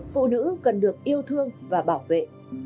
phụ nữ cần được yêu thương và bảo vệ